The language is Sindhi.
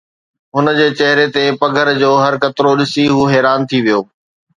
هن جي چهري تي پگهر جو هر قطرو ڏسي هو حيران ٿي ويو